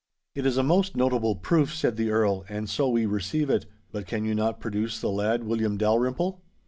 'It is a most notable proof,' said the Earl, 'and so we receive it. But can you not produce the lad William Dalrymple?